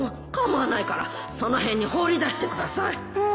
構わないからその辺に放り出してください